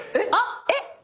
あっ！